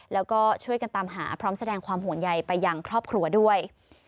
แล้วก็ช่วยกันตามหาพร้อมแสดงความห่วงใยไปยังครอบครัวด้วย